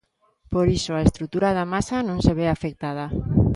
Por iso a estrutura da masa non se ve afectada.